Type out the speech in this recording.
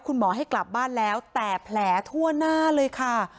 คุณหมอให้กลับบ้านแล้วแต่แผลทั่วหน้าเลยค่ะ